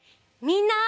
みんな！